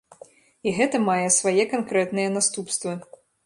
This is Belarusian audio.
І гэта мае свае канкрэтныя наступствы.